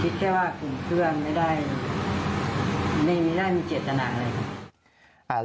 คิดแค่ว่าคุณเคลื่อนไม่ได้มีเจตนาอะไร